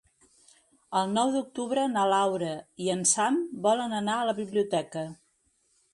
El nou d'octubre na Laura i en Sam volen anar a la biblioteca.